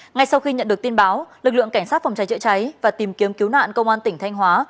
ngay sau khi nhận được tin báo lực lượng cảnh sát phòng cháy chữa cháy và tìm kiếm cứu nạn công an tỉnh thanh hóa